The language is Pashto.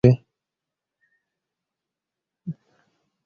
دځنګل حاصلات د افغانستان د اقتصادي منابعو ارزښت پوره زیاتوي.